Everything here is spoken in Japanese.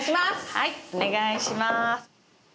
はいお願いします。